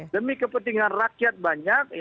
demi kepentingan rakyat banyak